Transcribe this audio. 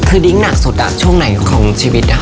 คือดิ้งหนักสุดช่วงไหนของชีวิต